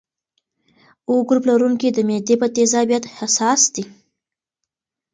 O ګروپ لرونکي د معدې په تیزابیت حساس دي.